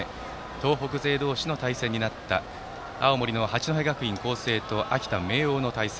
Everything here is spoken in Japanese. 東北勢同士の対戦になった青森の八戸学院光星と秋田の明桜の対戦。